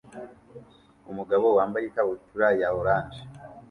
Umugabo wambaye ikabutura ya orange